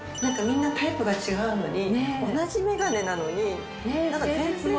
みんなタイプが違うのに同じメガネなのに全然違う。